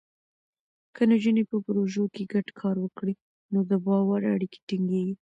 که نجونې په پروژو کې ګډ کار وکړي، نو د باور اړیکې ټینګېږي.